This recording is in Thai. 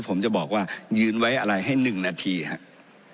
ผมจะบอกว่ายืนไว้อะไรให้๑นาทีครับ